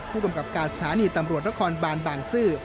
ผู้กำกับการสถานีตำรวจนครบานบางซื่อ